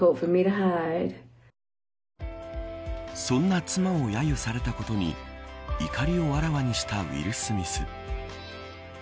そんな妻をやゆされたことに怒りをあらわにしたウィル・スミス。